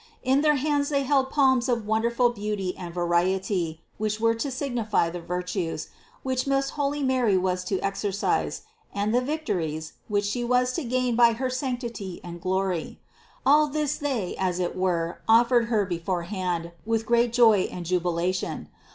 In their hands they held palms of wonderful beauty and variety, which were to signify the virtues, which most holy Mary was to exercise, and the victories, which She was to gain by her sanctity and glory. All this they as it were offered Her beforehand, with great joy and jubilation.